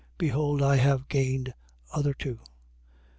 Behold I have gained other two.